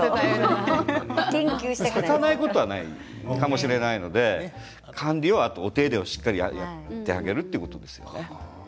咲かないことはないかもしれないので管理、お手入れをしっかりやってあげるということですね。